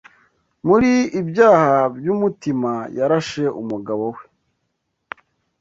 Muri "Ibyaha byumutima" yarashe umugabo we;